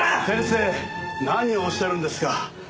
先生何をおっしゃるんですか。